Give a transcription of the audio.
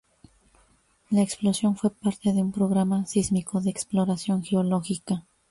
La explosión fue parte de un programa sísmico de exploración geológica.